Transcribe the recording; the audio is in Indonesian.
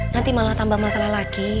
nanti malah tambah masalah lagi